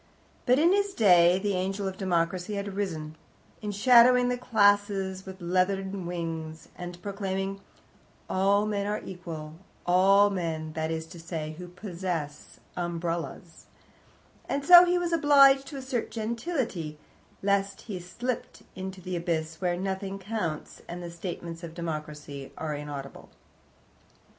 But in his day the angel of Democracy had arisen, enshadowing the classes with leathern wings, and proclaiming, "All men are equal all men, that is to say, who possess umbrellas," and so he was obliged to assert gentility, lest he slipped into the abyss where nothing counts, and the statements of Democracy are inaudible.